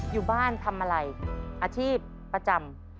อยู่บ้านทำอะไรอาชีพประจำ